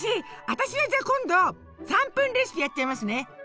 私はじゃあ今度３分レシピやっちゃいますね。